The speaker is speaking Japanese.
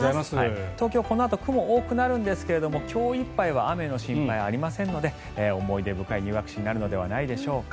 東京、このあと雲が多くなるんですが今日いっぱいは雨の心配はありませんので思い出深い入学式になるのではないでしょうか。